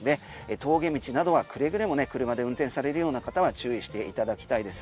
峠道などはくれぐれもね車で運転されるような方は注意していただきたいです。